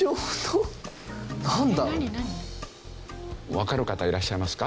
わかる方いらっしゃいますか？